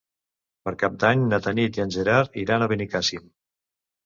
Per Cap d'Any na Tanit i en Gerard iran a Benicàssim.